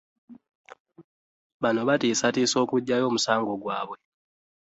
Bano baatiisatiisa okuggyayo omusango gwabwe